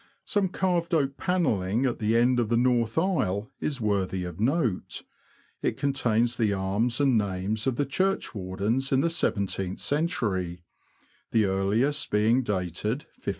Some carved oak panelling at the end of the north aisle is worthy of note ; it contains the arms and names of the churchwardens in the seven teenth century, the earliest being dated 1597.